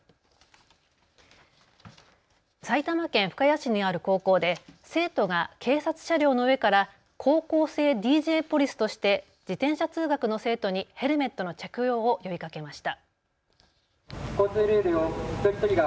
埼玉県深谷市にある高校で生徒が警察車両の上から高校生ＤＪポリスとして自転車通学の生徒にヘルメットの着用を呼びかけました。